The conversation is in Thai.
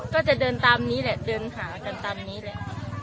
ก็จะเดินหากันตามนี้นแหละ